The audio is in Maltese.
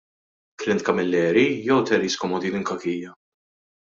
Clint Camilleri jew Therese Comodini Cachia?